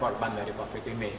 orban dari covid sembilan belas